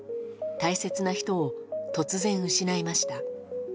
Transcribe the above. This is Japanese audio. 大切な人を突然失いました。